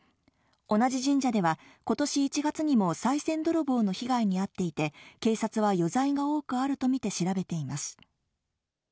同じ神社では、ことし１月にもさい銭泥棒の被害に遭っていて、警察は余罪が多くあると見て調べています。